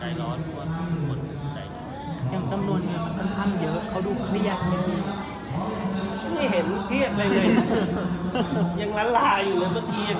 ยังร้อนราอยู่เมื่อกี้ยัง